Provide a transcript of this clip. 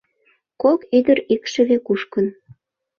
Кок ӱдыр икшыве кушкын.